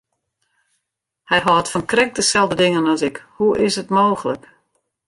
Hy hâldt fan krekt deselde dingen as ik, hoe is it mooglik!